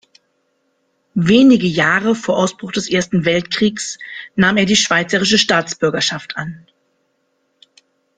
Wenige Jahre vor Ausbruch des Ersten Weltkriegs nahm er die schweizerische Staatsbürgerschaft an.